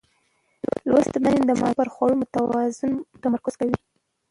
لوستې میندې د ماشوم پر خوړو متوازن تمرکز کوي.